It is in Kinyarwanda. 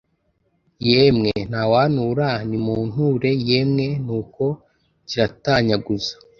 Yemwe ntawantura nimunture yemwe Nuko kiratanyaguza